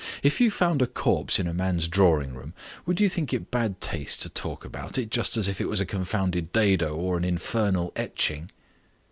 If you found a corpse in a man's drawing room, would you think it bad taste to talk about it just as if it was a confounded dado or an infernal etching?"